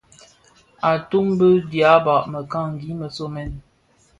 Atum bi dyaba mëkangi më somèn.